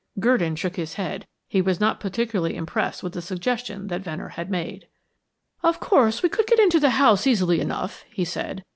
Gurdon shook his head; he was not particularly impressed with the suggestion that Venner had made. "Of course, we could get into the house easily enough," he said.